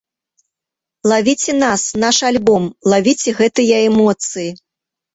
Лавіце нас, наш альбом, лавіце гэтыя эмоцыі!